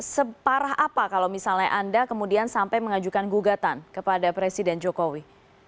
separah apa kalau misalnya anda kemudian sampai mengajukan gugatan kepada presiden jokowi